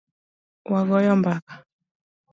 Wagoyo mbaka.